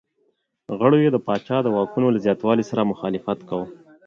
غړو یې د پاچا د واکونو له زیاتوالي سره مخالفت کاوه.